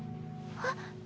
あっ。